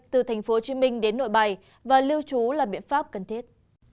từ tp hcm đến nội bài và lưu trú là biện pháp cần thiết